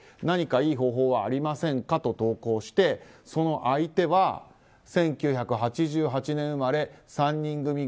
何かいい方法はありませんかと投稿して、その相手は１９８８年生まれ３人組